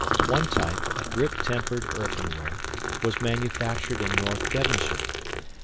One type, a grit tempered earthenware, was manufactured in North Devonshire.